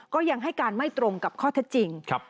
ก็ยังให้การไม่ตรงกับข้อเท็จจริง